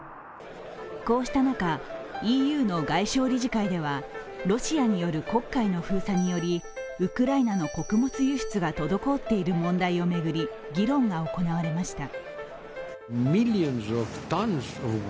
こうした中、ＥＵの外相理事会ではロシアによる黒海の封鎖によりウクライナの穀物輸出が滞っている問題を巡り議論が行われました。